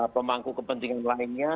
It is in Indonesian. pemangku kepentingan lainnya